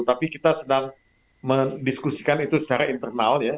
tapi kita sedang mendiskusikan itu secara internal ya